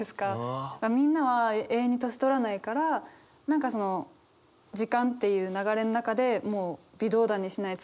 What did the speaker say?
みんなは永遠に年取らないから何かその時間っていう流れの中で微動だにしない